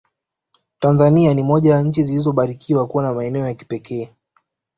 Tanzania ni moja ya nchi zilizobarikiwa kuwa na maeneo ya kipekee